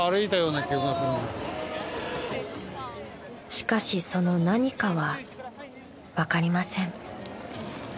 ［しかしその「何か」は分かりません］